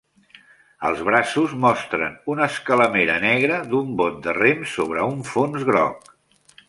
Els braços mostren una escalemera negra d'un bot de rems sobre un fons groc.